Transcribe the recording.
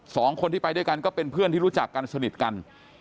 สองคนที่ไปด้วยกันก็เป็นเพื่อนที่รู้จักกันสนิทกัน